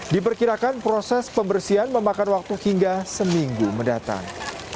diperkirakan proses pembersihan memakan waktu hingga seminggu mendatang